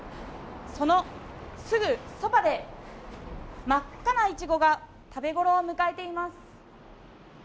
そのすぐそばで真っ赤なイチゴが食べ頃を迎えています。